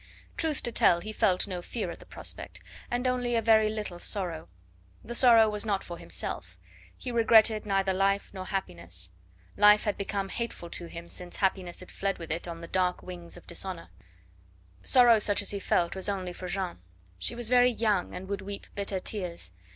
Truth to tell, he felt no fear at the prospect, and only a very little sorrow. The sorrow was not for himself; he regretted neither life nor happiness. Life had become hateful to him since happiness had fled with it on the dark wings of dishonour; sorrow such as he felt was only for Jeanne! She was very young, and would weep bitter tears.